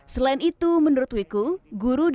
selain itu menurut wiku